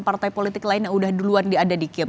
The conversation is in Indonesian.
partai politik lain yang udah duluan diada di kiem